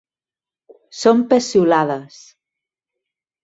Són peciolades.